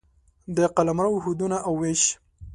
د قلمرو حدونه او وېش